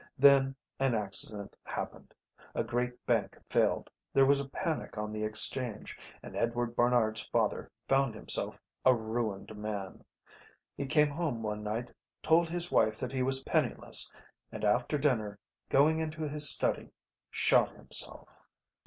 Then an accident happened. A great bank failed, there was a panic on the exchange, and Edward Barnard's father found himself a ruined man. He came home one night, told his wife that he was penniless, and after dinner, going into his study, shot himself.